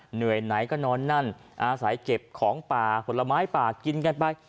เหนื่อยไหนก็นอนนั่นอาศัยเก็บของป่าผลไม้ป่ากินกันไป